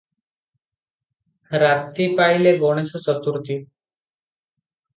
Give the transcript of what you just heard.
ରାତି ପାଇଲେ ଗଣେଶ ଚତୁର୍ଥୀ ।